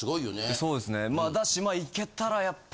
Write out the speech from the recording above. そうですね。